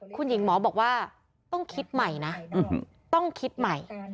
คุณหญิงหมอบอกว่าต้องคิดใหม่นะต้องคิดใหม่